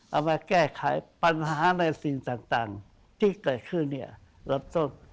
เอามาแก้ไขปัญหาในสิ่งต่างที่เกิดขึ้นเนี่ยเริ่มต้น